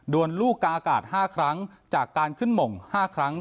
ลูกกาอากาศ๕ครั้งจากการขึ้นหม่ง๕ครั้ง